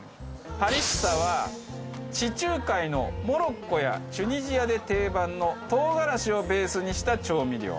ハリッサは地中海のモロッコやチュニジアで定番の唐辛子をベースにした調味料。